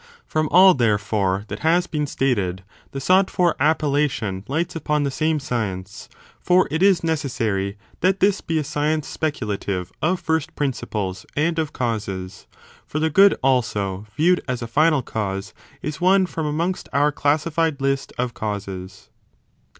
From all, therefore, that has been stated, 3 . conclusion the sought for appellation lights upon the same from the fore science j for it is necessary that this be a science §om^i8*a ^*'" speculative of first principles and of causes, for science of the good, also, viewed as a final cause, is one from °*"*®*' amongst our classified list of causes.